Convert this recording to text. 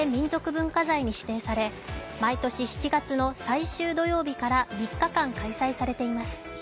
文化財に指定され毎年７月の最終土曜日から３日間開催されています。